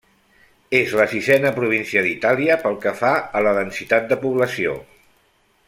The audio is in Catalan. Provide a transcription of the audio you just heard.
És la sisena província d'Itàlia pel que fa a la densitat de població.